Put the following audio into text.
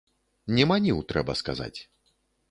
Не маніў, трэба сказаць.